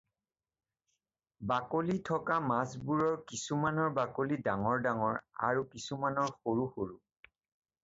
বাকলি থকা মাছবোৰৰ কিছুমানৰ বাকলি ডাঙৰ ডাঙৰ আৰু কিছুমানৰ সৰু সৰু।